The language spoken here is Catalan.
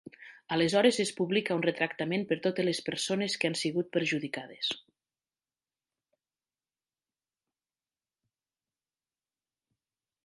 Aleshores es publica un retractament per totes les persones que han sigut perjudicades.